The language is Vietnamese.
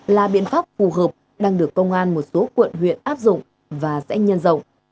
là biện pháp phù hợp đang được công an một số quận huyện áp dụng và sẽ nhân rộng